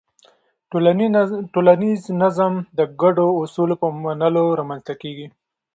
ټولنیز نظم د ګډو اصولو په منلو رامنځته کېږي.